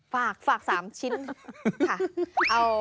ฝาก๓ชิ้นค่ะ